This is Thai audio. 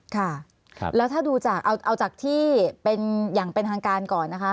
ค่ะแล้วถ้าดูจากเอาจากที่เป็นอย่างเป็นทางการก่อนนะคะ